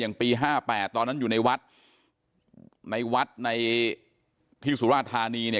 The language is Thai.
ปี๕๘ตอนนั้นอยู่ในวัดในวัดในที่สุราธานีเนี่ย